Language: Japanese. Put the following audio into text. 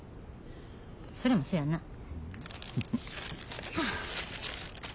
それもそやな。